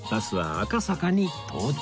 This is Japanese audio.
赤坂到着！